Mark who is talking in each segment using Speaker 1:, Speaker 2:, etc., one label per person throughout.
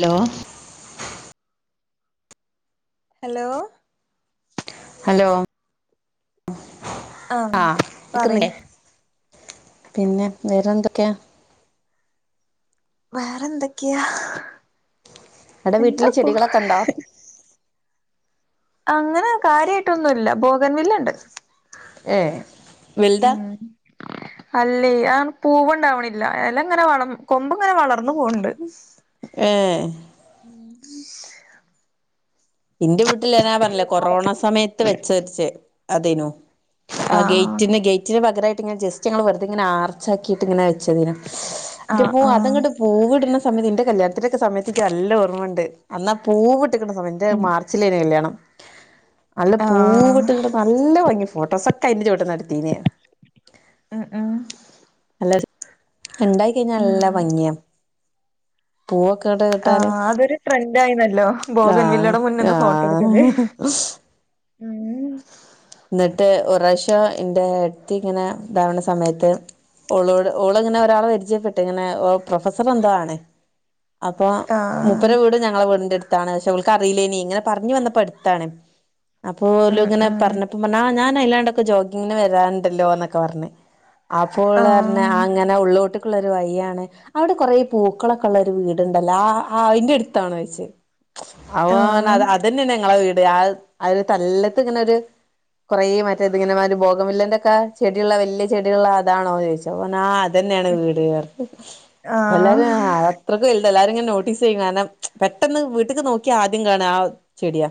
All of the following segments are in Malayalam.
Speaker 1: ഹലോ
Speaker 2: ഹലോ
Speaker 1: ഹലോ
Speaker 2: ആഹ്
Speaker 1: ആ ഹ്
Speaker 2: പറയ്
Speaker 1: കേക്കുന്നില്ലേ പിന്നെ വേറെന്തൊക്കെയാ
Speaker 2: വേറെന്തൊക്കെയാ
Speaker 1: അവിടെ വീട്ടില്
Speaker 2: എന്താക്ക
Speaker 1: ചെടികളൊക്കെ ഉണ്ടോ
Speaker 2: അങ്ങനെ കാര്യായിയിട്ടൊന്നുല്ല ബോഗൻ വില്ലണ്ട്
Speaker 1: ഏ വലുത
Speaker 2: അല്ലേ അ പൂവണ്ടാവ്ണില്ല എല ഇങ്ങനെ വള കൊമ്പ് ഇങ്ങനെ വളർന്നു പോണ്ട്
Speaker 1: ഏ
Speaker 2: ഉം
Speaker 1: എന്റെ വീട്ടില ഞാൻ പറഞ്ഞില്ലേ കൊറോണ സമയത്ത് വെച്ച ച്ചേ അതേനു ആ
Speaker 2: ആഹ്
Speaker 1: ഗേറ്റിന് ഗേറ്റിന് പകരമായിട്ട് ഇങ്ങനെ ജസ്റ്റ് ഞങ്ങള്ൾ വെറുതെങ്ങനെ ആർച്ചാക്കിയിട്ട് ഇങ്ങനെ വെച്ചേതേനു ൻ്റ
Speaker 2: ആഹ്
Speaker 1: പൂ
Speaker 2: ആഹ്
Speaker 1: അതങ്ങട്ട് പൂവ വിടണ സമയത്ത് ഇന്റെ കല്യാണത്തിന്റെക്കെ സമയത്തേക്ക് നല്ലഓർമ്മ ഉണ്ട് എന്നാ പൂവവിട്ടുന്ന സമയന്റെ
Speaker 2: ഉം
Speaker 1: മാർച്ച് ർച്ചിലേ കല്യാണം നല്ല
Speaker 2: ആഹ്
Speaker 1: പൂവെട്ടുകളും നല്ല ഭംഗി ഫോട്ടോസൊക്കെ അതിന്റെറെ ചൊട്ടിന്ന എടുത്തീന
Speaker 2: ഉ ഉ
Speaker 1: നല്ല ഉണ്ടായി കഴിഞ്ഞാ നല്ല
Speaker 2: ഉം
Speaker 1: ഭംഗിയ പൂവൊക്കെ ഇട ഇട്ടാല്
Speaker 2: ആഹ് അതൊരു ട്രെൻഡ് ആയിന്നല്ലോ
Speaker 1: ആഹ്
Speaker 2: ബോഗൻവില്ലയുടെ മുന്നിന്ന്
Speaker 1: ആഹ് ഉഹ്
Speaker 2: ആം
Speaker 1: ന്നട്ട് ഒറാവശ്യം എൻന്റെ അടുത്ത് ഇങ്ങനെണ്ടാവണ സമയത്ത് ഓളോട് ഓള് ഇങ്ങനെ ഒരാളെ പരിചയപ്പെട്ടു ഇങ്ങനെ പ്രൊഫസർ എന്തോാണ് അപ്പൊ
Speaker 2: ആഹ്
Speaker 1: മുപ്പര വീട് ഞങ്ങളെ വീടിൻന്റെ അടുത്താണ് പക്ഷെ അവൾക്ക് അറിയില്ലേനി ഇങ്ങനെ പറഞ്ഞു വന്നപ്പോ അടുത്താണ് അപ്പൊ
Speaker 2: ഉം
Speaker 1: ഓല്ങ്ങനെ
Speaker 2: ഉം
Speaker 1: ഞൻ അയ്ല്ലാണ്ടൊക്കെ ജോഗിങ്ങന് വരാണ്ടല്ലൊന്നൊക്കെ പറഞ്ഞ് അപ്പോഓൾ പറഞ്ഞ്
Speaker 2: ആഹ്
Speaker 1: ആങ്ങ എന്നാ ഉള്ളിലോട്ടേക്കുള്ളൊരു വഴി യാണ് അവിടെ കൊറെ പൂക്കളൊക്കെ ഉള്ള ഒരു വീടുണ്ടല്ലോ ആ അന്റെ അടുത്താണോ ചൊയിച്ച് അവ അ
Speaker 2: ആഹ്
Speaker 1: അത്ന്നെയ ഞങ്ങളെ വീട് ആ ആ ഒരു തല്ലത്ത് ഇങ്ങനെ ഒരു കുറെേ മറ്റേ ഇതിങ്ങനെമാതിരി ഭോഗമില്ലൊക്കെ ചെടിയുള്ള വലിയ ചെടികള്ള അതാണോ ചോദിച്ചോ തന്നെയാണ് വീട്പറഞ്ഞ് വല്ലാതെ
Speaker 2: ആഹ്
Speaker 1: ആ അത്രക്ക വല്തഎല്ലാരും ഇങ്ങനെ നോട്ടീസ് ചെയ്യും കാരണം പെട്ടെന്ന് വീട്ടക്ക് നോക്കി ആദ്യം കാണ ചെടിയാ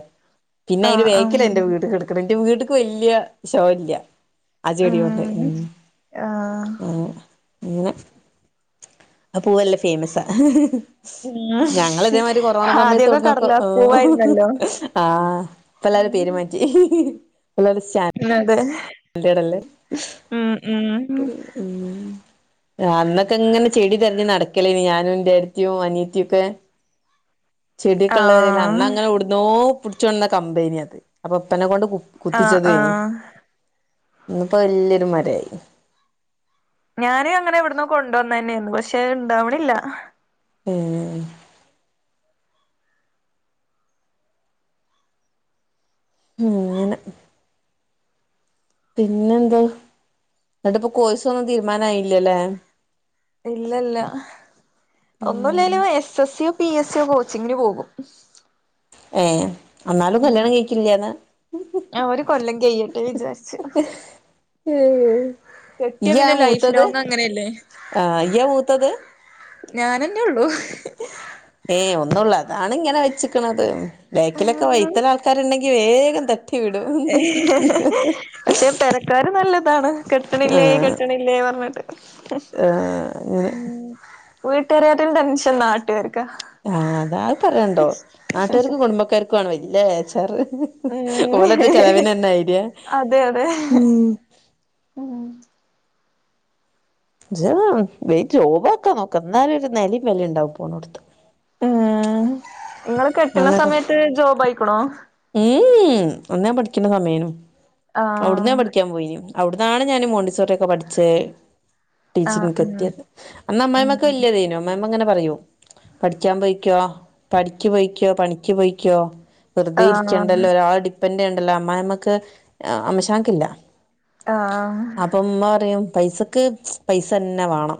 Speaker 1: പിന്നെ അതിന്
Speaker 2: ആഹ്
Speaker 1: വേക്ക്ല
Speaker 2: ഉം
Speaker 1: ഇൻറെ വീട്കെടക്കണ എന്റെ വീട്ട്ക്ക് വല്യ ഷോ ഇല്ല ആ ചെടിയോണ്ട്
Speaker 2: ഉം ആഹ്
Speaker 1: ഇങ്ങനെ ആ പൂവെല്ലാ ഫേയ്മസ ആ
Speaker 2: ഉം
Speaker 1: ഞങ്ങള ഇതേമാതിരി കൊറോണ സമയത്ത്
Speaker 2: ആദ്യൊക്കെ
Speaker 1: ഒട്ന്നൊക്കെ
Speaker 2: കടലാസ് പൂവായിരുന്നല്ലോ
Speaker 1: ആഹ് ഇപ്പം എല്ലരും പേരുമാറ്റി [unintelligible]
Speaker 2: മം അതെ
Speaker 1: എന്റെടേല്ലേ
Speaker 2: ഉം ഉം
Speaker 1: അന്നൊക്കെ ഇങ്ങനെ ചെടി തിരഞ്ഞു നടക്കലേന് ഞാനും ഏടത്തി അനിയത്തി ഒക്കെ ചെടിയൊക്കെള്ളപെരേൽ അന്ന
Speaker 2: ആഹ്
Speaker 1: അങ്ങനെടു നോ പിടിച്ചൊണ്ടന്ന കമ്പേനി അത് അപ്പൊ ഉപ്പാനെ കൊണ്ട്
Speaker 2: ആഹ്
Speaker 1: കുത്തിച്ചതേനി
Speaker 2: ആഹ്
Speaker 1: ഇന്നിപ്പോ വല്യൊരു മരയായി
Speaker 2: ഞാൻ അങ്ങനെ എവിടന്ന് കൊണ്ടവന്നെന്നാണ് പക്ഷെ ഇണ്ടാവണില്ല
Speaker 1: ഉം ഉം ങ്ങനെ പിന്നെ എന്താ എന്നിട്ടിപ്പ കോഴസ് ഒന്നും തീരുമാനയില്ലല്ലേ
Speaker 2: ഇല്ലല്ല ഒന്നില്ലെല്ലും എസ് എസ് സിയോ പി എസ് സിയോ കോച്ചിങ്ങിന് പോകും
Speaker 1: ഏ എന്നാലും
Speaker 2: ഉം
Speaker 1: കല്യാണം കഴിക്കില്ലാന്നാ
Speaker 2: ഒരു കൊല്ലം കയ്യട്ടെ വിചാരിച്ചു
Speaker 1: ആ
Speaker 2: കെട്ടിയ
Speaker 1: ഇയ്യ
Speaker 2: പിന്നെ ലൈഫ്
Speaker 1: മൂത്തത്
Speaker 2: ലോങ് അങ്ങനെയല്ലേ
Speaker 1: ആ ഇയ്യ മൂത്തത്
Speaker 2: ഞാനെന്നയുള്ളു
Speaker 1: ഏയ് ഒന്നള്ള അതാണ് ഇങ്ങനെ വെച്ചക്കണത് ബേക്കിലൊക്കെ
Speaker 2: ഉം
Speaker 1: വെയ്തൽ ആൾക്കാരുണ്ടെങ്കി വേഗം തെ വിട
Speaker 2: ആക്കർ നല്ലതാണ് കെട്ടണില്ലേ കെട്ടണില്ലേ പറഞ്ഞിട്ട്
Speaker 1: ആ അങ്ങനെ
Speaker 2: ഉ വീട്ടുക്കാരെക്കാളും ടെൻഷൻ നാട്ടുകാർക്ക
Speaker 1: ആ അതു പറയാനുണ്ടോ നാട്ടുകാർക്കും കുടുംബക്കാർക്കും ആണ് വല്യ ബേച്ചാർ
Speaker 2: ഉം
Speaker 1: ഓലറ്റം ചിലവിനുതരുന്നമാതിരിയ
Speaker 2: അതെ അതെ ഉം
Speaker 1: വേം ജോബക്കാൻ നോക്ക് എന്നാലേ ഒരു നിലവിലയും ഉണ്ടാവും പോണടുത്ത്
Speaker 2: ഉം നിങ്ങള് കെട്ടുന്ന
Speaker 1: അങ്ങട്ട്
Speaker 2: സമയത്ത് ജോബ് ആയിക്കണോ
Speaker 1: ഉം അന്ന് പഠിക്കുന്ന സമയനു
Speaker 2: ആഹ്
Speaker 1: അവിടുന്നേ പഠിക്കാൻ പോയി അവിടന്നാണ് ഞാൻ മോണ്ടിസോറ ഒക്കെ പഠിച്ചത് ടീച്ചിങ്ങ
Speaker 2: ആഹ് ഉം
Speaker 1: എത്തിയ അന്ന് അമ്മായിമാക്കെ
Speaker 2: ഉം
Speaker 1: വലിയതേനു അമ്മായിഅമ്മ ഇങ്ങനെ പറയൂ പഠിക്കാൻ പോയിക്കോ പടിക്ക് പോയിക്കോ പണിക്ക് പോയിക്കോ വെറുതെ
Speaker 2: ആഹ്
Speaker 1: ഇരിക്കണ്ടല്ലോ ഒരാളെ ഡിപ്പെെൻഡറ് ചെയ്യണ്ടല്ലോ അമ്മായിമ്മക് അമ്മോശൻ കാക ഇല്ല
Speaker 2: ആഹ്
Speaker 1: അപ്പ ഉമ്മ പറയും പൈസക്ക് പൈസന്നമാണം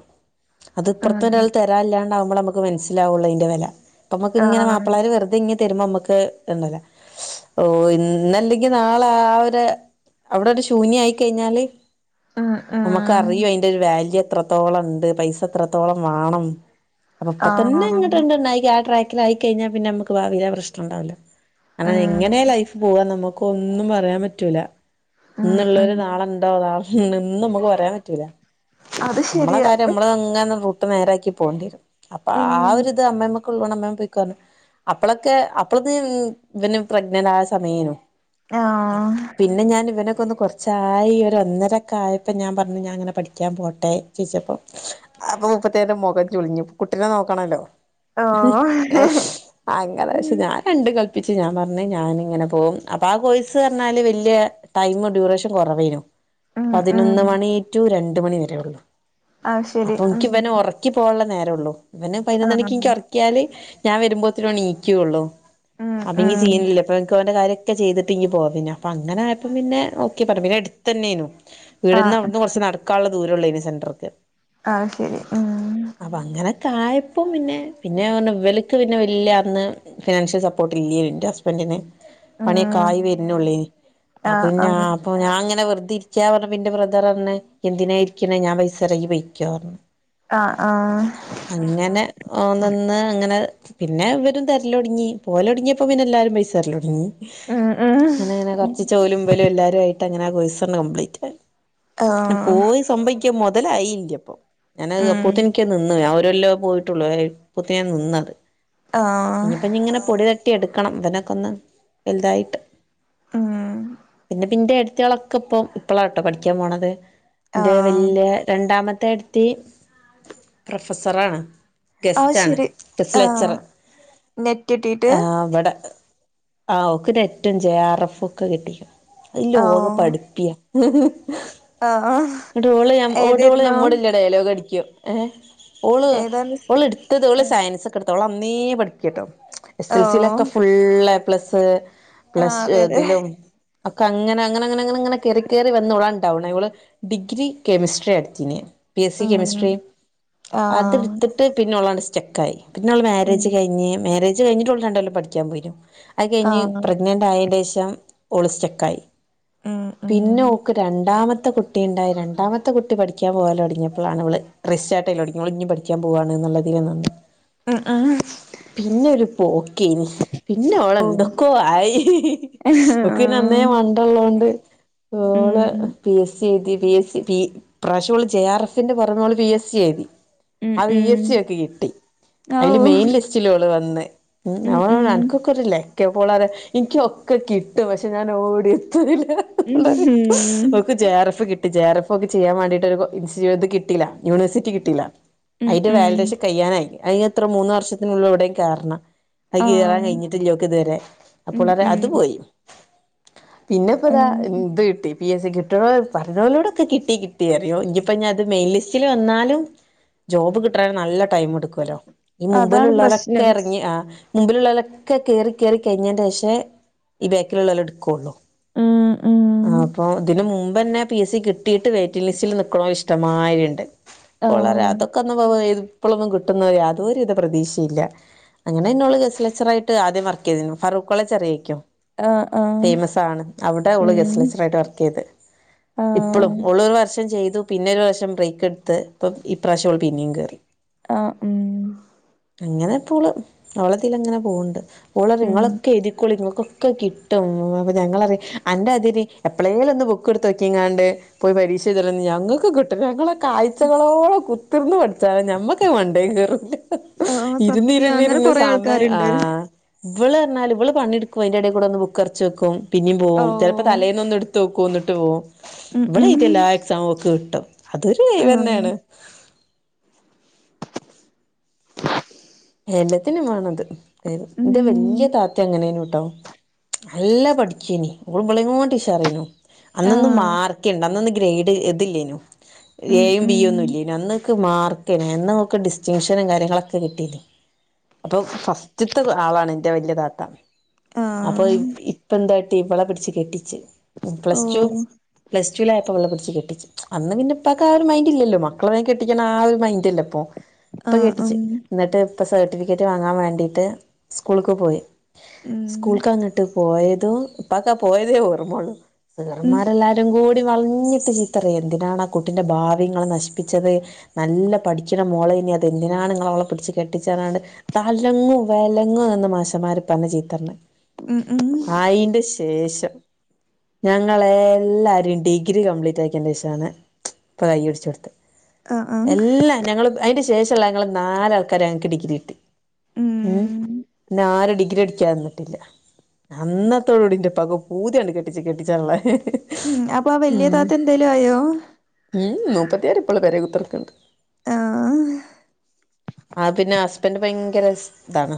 Speaker 1: അത് ഇപ്പറത്തു
Speaker 2: ഉം
Speaker 1: ഒരാൾ തരാൻ ഇല്ലാണ്ടാവുമ്പോൾ നമുക്ക് മനസ്സിലാവുള്ളു അതിന്റെ വില ഇപ്പോനമുക്കു ഇങ്ങനെ
Speaker 2: ആഹ്
Speaker 1: മാപ്പള വെറുത തരുമ്പോ നമുക്ക് ഉണ്ടല്ലോ ഓ ഇന്നല്ലെങ്കി നാളെ ആ ഒരു അവിടെ ഒരു ശൂന്യ ആയി കഴിഞ്ഞാല്
Speaker 2: ഉം
Speaker 1: നമുക്ക്
Speaker 2: ഉം
Speaker 1: അറിയും അതിന്റെ ഒരു വാല്യു എത്ര എത്രത്തോളം ഉണ്ട് പൈസ എത്രത്തോളം വേണം ഇപ്പംതന്നെ
Speaker 2: ആഹ്
Speaker 1: അങ്ങോട്ടണ്ട ആ ട്രാക്കില കഴിഞ്ഞാ പിന്നെ നമുക്ക് ഭാവിയിൽ പ്രശ്നംണ്ടാവില്ല അ
Speaker 2: ഉം
Speaker 1: എങ്ങനെയ ലൈഫ് പോവാൻ നമുക്ക് ഒന്നും പറയാൻ പറ്റൂല
Speaker 2: ഉം ഉം
Speaker 1: ഇന്നുള്ളോര് നാളുണ്ടോ നാള ഇന്ന് നമുക്ക് പറയാൻ പറ്റൂല
Speaker 2: അത്
Speaker 1: നമ്മളെ
Speaker 2: ശരിയാ
Speaker 1: കാര്യം നമ്മള് എങ്ങ റൂട്ട് നേരാക്കി പോകേണ്ട വരും അപ്പൊ ആ
Speaker 2: ഉം
Speaker 1: ഒരുരിത് അമ്മായിമ്മക് വേഗംപോകോപറഞ് അപ്പളൊക്കെ അപ്പള ഇ പ്രഗ്നന്റ് ആയ സമയനു
Speaker 2: ആഹ
Speaker 1: പിന്നെ ഞാൻ ഇവനൊക്കെ ഒന്ന് കുറച്ചായി ഒന്നരൊക്കെ ആയപ്പോൾ ഞാൻ പറഞ്ഞു ഞാ അങ്ങനെ പഠിക്കാൻ പോകട്ടെ ട്ടെ ചോയ്ച്ചപ്പൊ അപ്പൊ മുപ്പത്തീടെ മൊഖം ചുളിഞ്ഞു കുട്ടിനെ നോക്കണോല്ലോ
Speaker 2: ഓഹ്
Speaker 1: അങ്ങനെ
Speaker 2: ഉം
Speaker 1: പക്ഷെ ഞാൻ രണ്ടും കൽപ്പിച്ച് ഞാൻ പറഞ്ഞ് ഞാനിങ്ങനെ പോകും അപ്പൊ ആ കോഴ്സ് പറഞ്ഞാല് വല്ല്യ ടൈമ് ഡ്യൂറേഷൻ കുറവേനു
Speaker 2: ഉം ഉം
Speaker 1: പതിനൊന്ന് മണി റ്റു രണ്ടു മണി വരെ ഒള്ളു
Speaker 2: അത് ശരി
Speaker 1: അപ്പൊ എനിക്ക്
Speaker 2: ഉം
Speaker 1: ഇവനെ ഒറക്കി പോകനൊള്ള നേരം ഒള്ളൂ ഇവനെ
Speaker 2: ആഹ്
Speaker 1: പതിനൊന്നണിക്ക് എനിക്ക് ഒറ യാല് ഞാൻ വരുമ്പോത്തേനണ് എണിക്കൊള്ളൂ
Speaker 2: ഉം
Speaker 1: അല്ലെങ്കി
Speaker 2: ഉം
Speaker 1: ചെയ്യുന്നില്ല അപ്പൊഴേക്ക് അവന്റെ കാര്യൊക്കെ ചെയ്തിട്ട് ഇങ്ങ് പോവാ പിന്നെ അപ്പ അങ്ങന ആയപ്പോം പിന്നെ ഒക്കെ പറഞ്ഞു പിന്നടുത്ത് തന്നേനു വീടിന്ന്
Speaker 2: ആഹ്
Speaker 1: അവിടുന്ന് കുറച്ച് നടക്കാള്ള ദൂരോള്ളേന് സെന്റർക്ക്
Speaker 2: ആഹ് ശരി ഉം
Speaker 1: അപ്പൊ അങ്ങനൊക്കെ ആയപ്പം പിന്നെ പിന്നെ ഇവലക്ക് പിന്നെ വല്ലയ അന്ന് ഫിനാൻഷ്യൽ സപ്പോർട്ട് ഇല്ലേ ഇന്റെ ഹസ്ബന്റിന് പണിയൊക്കെ
Speaker 2: ഉം
Speaker 1: ആയി വരുന്നൊള്ളേ
Speaker 2: ആഹ്
Speaker 1: അപ്പൊന്നാ
Speaker 2: ആഹ്
Speaker 1: ഞാ അങ്ങനെ വെറുതെ ഇരിക്കാ പറഞ്ഞപ്പ ഇന്റെ ബ്രദറ് പറഞ്ഞു എന്തിനാ ഇരി പിന്നെ ഞാൻ പൈസറകി പൊയ്ക്കൊ പറഞ്ഞു
Speaker 2: ആഹ് ആഹ്
Speaker 1: അങ്ങനെ ഓൻ നിന്ന് അങ്ങനെ പിന്നെ ഇവരും തരല്ലൊടിങ്ങി പോലൊടുങ്ങിയപ്പോ പിന്നെ എല്ലാരും പൈസതരലൊടിങ്ങി
Speaker 2: അഹ് ആഹ്
Speaker 1: അങ്ങനെ അങ്ങനെ കൊറച്ച് ചോലുമ്പലും എല്ലാരും ആയിട്ട് അങ്ങനെ കോഴ്സങ്ങനെ കംപ്ലീറ്റ് ആയി ന്നെ
Speaker 2: ആഹ്
Speaker 1: പോയി സംഭവിക്ക മുതലായില്ല്യപ്പൊ ഞാൻ അത്
Speaker 2: ഉം
Speaker 1: അപ്പോത്തെനിക്ക് ക്ക്നിന്ന് ഞാൻ ഒര് കൊല്ലോ പോയിട്ടുള്ളൂ അപ്പോത്തേനും നിന്നത്
Speaker 2: ആഹ്
Speaker 1: ഇഞ്ഞിപ്പിങ്ങനെ പൊടിത ട്ടിയെടുക്കണം ഇവനൊക്കൊന്ന് വലുതായിട്ട്
Speaker 2: ഉം
Speaker 1: പിന്നെ പിന്റെ ഏടത്തികളൊക്കെ ഇപ്പൊ ഇപ്പളാട്ടോ പഠിക്കാൻ പോണത് ഇന്റെ
Speaker 2: ആഹ്
Speaker 1: വല്ല്യ രണ്ടാമത്തെ ഏടത്തി പ്രൊഫസറാണ്
Speaker 2: അത്
Speaker 1: ഗസ്റ്റ് ആണ്
Speaker 2: ശരി
Speaker 1: ഗസ്റ്റ്
Speaker 2: ആഹ്
Speaker 1: ലക്ചറർ
Speaker 2: നെറ്റ് കിട്ടീട്ട്
Speaker 1: ആഹ് ഇവടെ ആഹ് ഓക്ക് നെറ്റും ജെ ആർ എഫും ഒക്കെ കിട്ടി അയ് ലോക പഠിപ്പിയാ [inaudible]
Speaker 2: അഹ് ആഹ്
Speaker 1: എന്നിട്ടോള് ഞം ഓടോള്
Speaker 2: ഏതായിരുന്നു
Speaker 1: ഞമ്മട് വല്ല്യ ഡൈലോകടിക്കും ഏഹ് ഓള്
Speaker 2: ഏതായിരുന്നു സ്
Speaker 1: ഓള് എടുത്തത് ഓള് സയൻസ് ഒക്കെടുത്ത് ഓള് അന്നേ പഠിപ്പിയാട്ടോ എസ് എൽ സിലൊക്കെ
Speaker 2: ഓഹ്
Speaker 1: ഫുള്ളേപ്ലസ്
Speaker 2: ആഹ്
Speaker 1: പ്ലസ് ടു
Speaker 2: അതെ അതെ
Speaker 1: ഇതിലും അവ്ക്ക് അങ്ങനങ്ങനങ്ങനങ്ങനങ്ങനെ കേറി കേറി വന്നോളാണ്ടാ അവളിവള് ഡിഗ്രി കെമിസ്ട്രിയാ എടുത്തീനി ബി എസ് സി
Speaker 2: ഉം
Speaker 1: കെമിസ്ട്രി അതെടുത്ത് ട്ട് പിന്നോളങ്ങട്ട് സ്റ്റക്കായി പിന്നവള് മാരേജ് കയിഞ്ഞ് മാരേജ് കഴിഞ്ഞിട്ടു ഓള് രണ്ടു കൊല്ലം പഠിക്കാൻ പോയീനു അത് കഴിഞ്ഞ് പ്രഗ്നനന്റായെന്റെഷം ഓള് സ്റ്റക്കായി പിന്നെ ഓക്ക് രണ്ടാമത്തെ കു ട്ടിണ്ടായി രണ്ടാമത്തെ കുട്ടി പഠിക്കാൻ പോകലോടങ്ങിയപ്പളാണ് ഇവള് റീസ്റ്റാർട്ട് ചെയ്യല് തൊടങ്ങി ഓള് ഇനിയും പഠി ക്കാൻ പോവാണ് എന്നുള്ള ഇതില് നിന്നോണ്ട്
Speaker 2: അഹ് ആഹ്
Speaker 1: പിന്നെ ഒരു പോക്കേനു പിന്നെ അവള് എന്തൊക്കോ ആയി ഓക്ക് പി അന്നേ മണ്ടൊള്ളൊണ്ട് ഓള് പിഎസി എ സി എഴുതി പി എസ് സി പി ഇപ്രാവിശ്യോള് ജെ ആർ എഫിന്റെ കൊറേന്നാള് പി എസ് സി എഴുതി. അത് ഇ എസ് സി ഓക്ക് കിട്ടി അയില് മെയിൻ ലിസ് ച്ചിലോള് വന്ന് ഉം [unintelligible] അൻക്കൊക്കെ ഒര് ല ക്കെപ്പോളാരെ എനിക്കൊക്കെ കിട്ടും പക്ഷെ ഞാൻ ഓടി എത്തൂല്ല അതാണ് ഓക്ക് ജെ ആർ എഫ് കിട്ടി ജെ ആർ എഫ് ഒക്ക് ചെയ്യാൻ വേണ്ടിട്ട് ഒരു [unintelligible] കിട്ടിയില്ല യൂണിവേഴ്സിറ്റി കിട്ടിയില്ല അയിന്റെ വാലിഡേഷൻ കയ്യാനായി അതിന് ഇത്ര മൂന്ന് വർഷത്തിനുള്ള് എവിടെയും കേറണം അത് കിയറാൻ കഴിഞ്ഞിട്ടില്ലോക്ക് ഇതുവരെ അപ്പോളാരെ അത് പോയി പിന്നെപ്പൊതാ ഇത് കിട്ടി പി എസ് സി കിട്ടണോ പറഞ്ഞോലോടൊക്കെ കിട്ടി കിട്ടിയറിയോ ഇനിപ്പോ ഞാത് മെയിൻലിസ്റ്റില് വന്നാലും ജോബ് കിട്ടെണെ നല്ല ടൈം എടുക്കുവല്ലോ ഈ
Speaker 2: അതാണ്
Speaker 1: മുമ്പിലുള്ളവരൊക്കെ
Speaker 2: പ്രശ്നം.
Speaker 1: ഇറങ്ങി ആ മുമ്പിലുള്ളലൊക്കെ കേറി കേറി കഴിഞ്ഞേന്റെഷേ ഈ ബാക്കിലുള്ളല എടുക്കുകുള്ളൂ
Speaker 2: ഉ ഉ
Speaker 1: അപ്പൊ ഇതിനന് മുമ്പ് തന്നെ പി എസ് കിട്ടിയിട്ട് വെ്റ്റി ലിസ്റ്റില് നൽക്കണോല് ഇഷ്ടമായരി ഉണ്ട്
Speaker 2: ആ,
Speaker 1: വളരാതൊക്കെ ഒന്ന് ഇപ്പോഴൊന്നും കിട്ടുന്നവ യാതോ ഒരു ഇത് പ്രതീക്ഷയില്ല അങ്ങനെന്നോള് ഗസലെച്ചറായിട്ട് ആദ്യം വർക്ക് ചെയ്തി ഫാറൂഖ്കോളേജ് ആറിയക്കോ
Speaker 2: ആ, ആ,
Speaker 1: ഫേമസ് ആണ് അവിടെ അവള്
Speaker 2: ഉം,
Speaker 1: ഗസ്ലച്ചറായിട്ട് വർക്ക് ചെയ്ത്
Speaker 2: ആ,
Speaker 1: ഇപ്പോളും ഉള്ളരു വർഷം ചെയ്തു പിന്നെ ഒരു വർഷം ബ്രേക്ക് എടുത്ത് ഇപ്പം ഈ പ്രാവശ്യംൾ പിന്നെയും കേറി
Speaker 2: ആ ഉം
Speaker 1: അങ്ങനെപ്പോള് അവളതിലങ്ങനെ പോകണ്ട് അവള്
Speaker 2: ഉം.
Speaker 1: ഇങ്ങളൊക്കെ എതിരിക്കോള ഇങ്ങൾക്ക് കിട്ടും അപ്പം ഞങ്ങളറിയ അന്റെ തിരി എപ്പഴേല ഒന്ന് ബുക്ക് എടുത്ത് വയ്ക്കങ്ങ പോയി പരീഷാ ചെയത ഞങ്ങൾക്ക് കിട്ട ഞങ്ങളെ ആഴ്ചകളോള കുത്തിർന്ന് ഞമ്മക്കെ മണ്ടേ കേയറ
Speaker 2: ആ,
Speaker 1: ഇരുന്നി
Speaker 2: സത്യം
Speaker 1: ഇുന്നി
Speaker 2: അങ്ങനെ
Speaker 1: ഇരുന്ന്
Speaker 2: കുറെ
Speaker 1: സാമ
Speaker 2: ആൾക്കാരുണ്ട്.
Speaker 1: ആഹ ഇവള് പറഞ്ഞാ ഇവള് പണിെടുക്കും അതിന്റെ അടടെ കൂടെന്ന് ബുക്ക്ക്കരച്ച് വെക്കും പിന്നും
Speaker 2: ഓ,
Speaker 1: പോവും ചിലപ്പോ തലേന്നൊന്ന് എ തോക്കന്നിട്ട് പോവും
Speaker 2: ഉം,
Speaker 1: ഇവിള
Speaker 2: ഉം,
Speaker 1: ഇത് എല്ലാ എക്സമും ഓക്കകിട്ടും അതൊരു
Speaker 2: ആ,
Speaker 1: കഴിവ് തന്നെ അണ് എല്ലത്തിനുംമാണത് അതത് ഇന്റെ
Speaker 2: ഉം.
Speaker 1: വല്യായ താതേം എങ്ങനെനും കട്ടോ നല്ല പഠിക്കേനി ഓള് ബെളേയ് കാട്ടിഷാ റെ യിനു അന്നൊന്ന്
Speaker 2: ആഹ്
Speaker 1: മാർക്ക്ണ്ട അന്നൊന്ന് ഗ്രഡ് ഇതില്ലേനു
Speaker 2: ഉം
Speaker 1: ഏയും ബി
Speaker 2: ഉം
Speaker 1: ഒന്നും ഇല്ലേന അന്നൊക്കക്ക് മാർകെനി എന്നൊക്കെ ഡിസ്റ്റിങ്ഷനും കാര്യങ്ങളൊക്കെ കിട്ടിനി അപ്പൊ ഫസ്റ്റത്തെ ആളാണ് എന്റെ വലിയ താത്ത അപ്പൊ
Speaker 2: ആഹ്
Speaker 1: ഇപ്പ എന്ത ഇവളെ പിടിച്ച് കെട്ടിച്ച് പ്ലസ് ടു
Speaker 2: ഓഹ്
Speaker 1: പ്ലസ് റ്റടുവിലായപ്പോൾ ഇവളെ പിടിച്ച് കെട്ടിച്ച് അന്ന് പിന്നെ ഉപ്പാക്ക് ആ ഒരു മെൻ്റ് ഇല്ലല്ലോ മക്കളെ വെഗം കെട്ടിക്കണം ആ ഒരു മൈന്റ്ല്ല ഇപ്പൊ ഇപ്പൊ
Speaker 2: ആഹ്
Speaker 1: കെട്ടിച്ചു
Speaker 2: ഉം
Speaker 1: എന്നിട്ട് ഇപ്പൊ സർട്ടിഫിക്കറ്റ് വാങ്ങാൻ വേണ്ടിട്ട് സ്കൂളക്ക് പോയി.
Speaker 2: ഉം
Speaker 1: സ്കൂൾക്ക അങ്ങട്ട് പോയതും ഇപ്പാക്കാ പോയതേ ഓർമയുള്ളു
Speaker 2: ഉം
Speaker 1: സാറമാർല്ലാരും ഒരും കൂടി വളഞ്ഞിട്ട് ചീത്ത പറഞ്ഞ് എന്തിനാണ് ആ കുട്ടിന്റെ കെട്ടിച്ചേ ഭാവി നിങ്ങൾ നശിപ്പിച്ചത് നല്ല പഠിച്ണ മോളെ എനി അത് എന്തിനാണ് നിങ്ങള അവളെ പിഠിച്ച കെട്ടിച്ചറാണ്ട് തലങ്ങോ വേലങ്ങോ എന്ന മാശമാര് ഉപ്പാനെ ചീത്ത പറഞ്ഞ്
Speaker 2: ഉം ഉം
Speaker 1: ആയിൻ്റെ ശേഷം ഞങ്ങളെ എല്ലാരം ഡിഗ്രി കംപ്ലീറ്റ് ആക്കിയെന്നെ ശേഷം ആണ് ഇപ്പ കൈ പിടിച്ച് കൊടുത്തത്ത്
Speaker 2: ആഹ് ആഹ്
Speaker 1: എല്ലാ ഞങ്ങള് അതിന്റെ ശേഷമള്ള ഞങ്ങൾ നാലാൾക്കാര ഞങ്ങക്ക് ഡിഗ്രി കിട്ടി. ഉം പിന്നെ ആരും ഡിഗ്രി അടിക്കാന്ന് അന്നതോടുകൂടി എന്റെ ഉപ്പാക് പൂതിഅങ്ങട്ട് കെട്ട് കെട്ടിക്കാനുള്ള
Speaker 2: ഉം അപ്പൊ ആ വലിയ താത്ത എന്തേലും ആയോ
Speaker 1: ഉം ഉം മുപ്പത്തിയാര് ഇപളും പേരെ കുത്തർക്കുണ്ട്
Speaker 2: ആഹ്
Speaker 1: ആ പിന്നെ ഹസ്ബൻഡ് ഭയങ്കര ഇതാണ്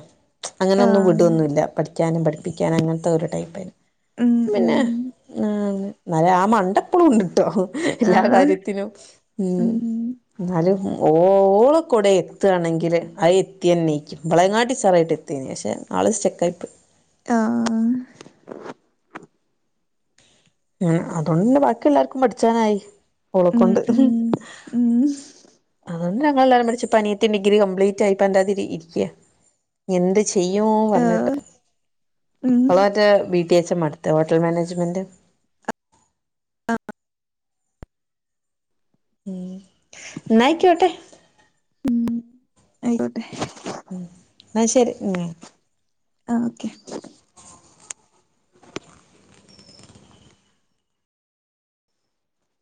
Speaker 1: അങ്ങനൊന്നും
Speaker 2: ആഹ്
Speaker 1: വിടൊന്നുഇല്ല പഠിക്കാനും പഠിപ്പിക്കാനും അങ്ങനത്തെ ഒരു ടൈപ്പന്
Speaker 2: ഉം ഉം
Speaker 1: പിന്നെ ആ നല്ല ആ മണ്ടപ്പളും ഉണ്ട്ട്ടോ എല്ലാ
Speaker 2: ആഹ്
Speaker 1: കാര്യത്തിനും ഉം എന്നാലും ഓള കുടയരുന്നു എത്തുകയാണെങ്കിൽ അത് എത്തിയെനി ഇവളെ കാലും ഉഷാറായിട്ട് എത്തുവെനി പക്ഷേ ആൾ സ്റ്റെക്ക് ആയി പോയി.
Speaker 2: ആ
Speaker 1: ഉഉം അതുകൊണ്ട്ന്നെ ബാക്കി എല്ലാവർക്കും പഠിച്ചാനായി
Speaker 2: ഉം
Speaker 1: ഓളക്കൊണ്ട്
Speaker 2: ഉം ഉം
Speaker 1: അതൊണ്ട് ഞങ്ങൾ എല്ലാരും പഠിച്ച ഇപ്പൊനിയത്തി ഡിഗ്രി കപ്ലീറ്റ് ആയിപ്പ എന്താ ഇരിക്ക എന്ത് ചെയ്യന്ന് പറഞ്ഞിട്ട്
Speaker 2: ആഹ് ഉം
Speaker 1: ഓൾ മറ്റേ ബി ടീ എച്ച് എം എടുത്തേ ഹോട്ടൽ മാനേജ്മെന്റ് ഉം ന്നാ ആയിക്കോട്ടെ
Speaker 2: ഉം ആയിക്കോട്ടെ
Speaker 1: ഉം എന്നാ ശരി ഉം
Speaker 2: ആ ഓക്കെ